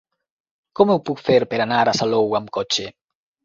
Com ho puc fer per anar a Salou amb cotxe?